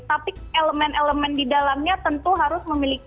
tapi elemen elemen di dalamnya tentu harus memiliki